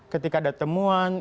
ketika ada temuan